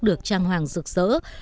được trang hoàng rực rỡ